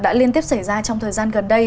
đã liên tiếp xảy ra trong thời gian gần đây